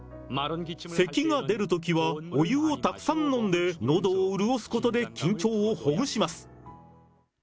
せきが出るときはお湯をたくさん飲んで、のどを潤すことで緊張をほぐします。